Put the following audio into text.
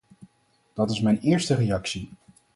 Dat is mijn eerste reactie.